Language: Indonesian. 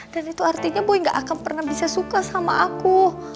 dan itu artinya boy nggak akan pernah bisa suka sama aku